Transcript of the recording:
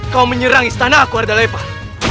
kau menyerang istana aku arda lepah